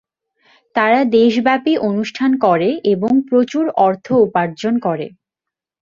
তারা দেশব্যাপী অনুষ্ঠান করে এবং প্রচুর অর্থ উপার্জন করে।